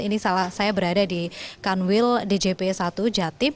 ini saya berada di kanwil djp satu jatim